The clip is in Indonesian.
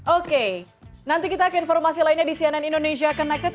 oke nanti kita akan informasi lainnya di cnn indonesia connected